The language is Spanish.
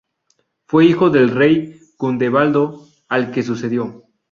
Fue hijo del rey Gundebaldo, al que sucedió.